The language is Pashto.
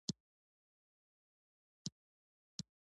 ازادي راډیو د اقلیتونه پرمختګ او شاتګ پرتله کړی.